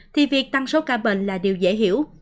thì việc tăng số ca bệnh là điều dễ hiểu